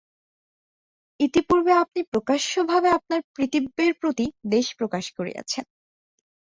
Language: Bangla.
ইতিপূর্বে আপনি প্রকাশ্যভাবে আপনার পিতৃব্যের প্রতি দ্বেষ প্রকাশ করিয়াছেন।